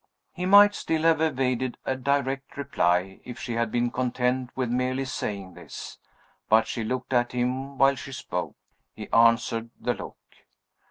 He might still have evaded a direct reply, if she had been content with merely saying this. But she looked at him while she spoke. He answered the look.